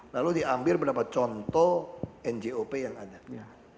lalu diambil beberapa contoh njop yang ada